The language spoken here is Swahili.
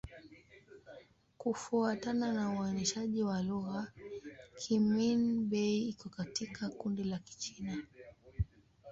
Kufuatana na uainishaji wa lugha, Kimin-Bei iko katika kundi la Kichina.